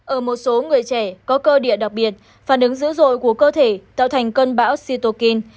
ở một số người trẻ có cơ địa đặc biệt phản ứng dữ dội của cơ thể tạo thành cơn bão sitokin